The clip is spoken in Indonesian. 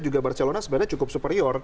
juga barcelona sebenarnya cukup superior